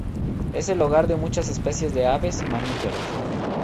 Es el hogar de muchas especies de aves y mamíferos.